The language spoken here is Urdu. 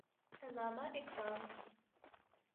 علامہ اقبال